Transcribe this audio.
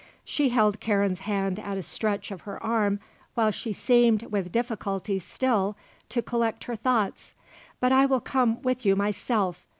She held Karen's hand at a stretch of her arm while she seemed, with difficulty still, to collect her thoughts. "But I will come with you myself.